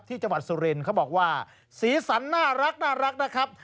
จังหวัดสุรินทร์เขาบอกว่าสีสันน่ารักนะครับ